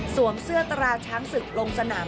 เสื้อตราช้างศึกลงสนาม